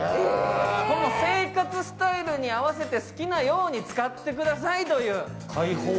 生活スタイルに合わせて好きなように使ってくださいという。